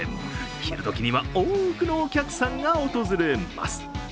昼どきには多くのお客さんが訪れます。